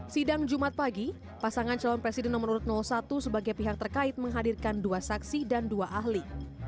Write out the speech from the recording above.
sidang jumat pagi pasangan calon presiden nomor urut satu sebagai pihak terkait menghadirkan dua saksi dan dua ahli